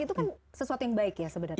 itu kan sesuatu yang baik ya sebenarnya